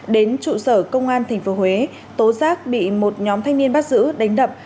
đến trụ sở công an tp huế tố giác bị một nhóm thanh niên bắt giữ đánh đập